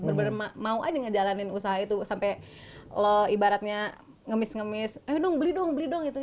bener bener mau aja ngejalanin usaha itu sampai lo ibaratnya ngemis ngemis ayo dong beli dong beli dong itu